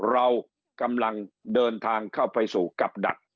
เรากำลังเดินทางเข้าไปสู่กับดัก